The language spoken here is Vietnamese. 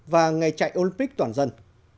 và ngày chạy olympic toàn dân